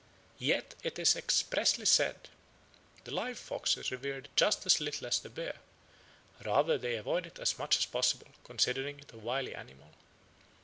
Yet it is expressly said, "The live fox is revered just as little as the bear; rather they avoid it as much as possible, considering it a wily animal."